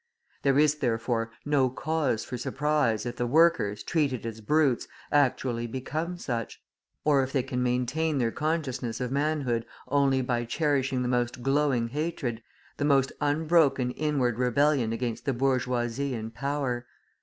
There is, therefore, no cause for surprise if the workers, treated as brutes, actually become such; or if they can maintain their consciousness of manhood only by cherishing the most glowing hatred, the most unbroken inward rebellion against the bourgeoisie in power.